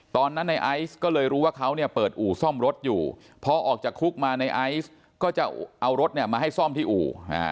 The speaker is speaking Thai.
ตอนนั้นในไอซ์ก็เลยรู้ว่าเขาเนี่ยเปิดอู่ซ่อมรถอยู่พอออกจากคุกมาในไอซ์ก็จะเอารถเนี่ยมาให้ซ่อมที่อู่